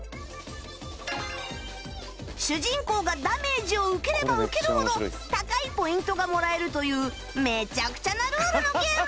主人公がダメージを受ければ受けるほど高いポイントがもらえるというめちゃくちゃなルールのゲームまで